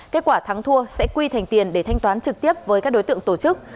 kết quả thắng thua sẽ quy thành tiền để thanh toán trực tiếp với các đối tượng tổ chức